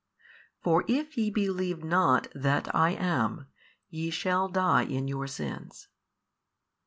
For if ye believe not that I am, ye shall die in your sins.